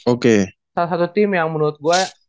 oke salah satu tim yang menurut gue